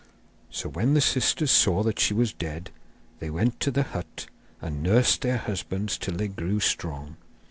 So when the sisters saw that she was dead they went to the hut, and nursed their husbands till they grew strong.